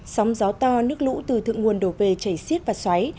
sóng gió to nước lũ từ thượng nguồn đổ về chảy xiết và xoáy